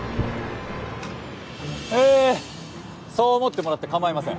えそう思ってもらってかまいません。